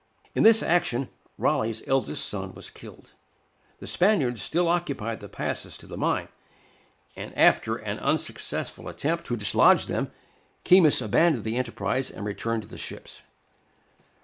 In this action Raleigh's eldest son was killed. The Spaniards still occupied the passes to the mine, and after an unsuccessful attempt to dislodge them, Keymis abandoned the enterprise and returned to the ships.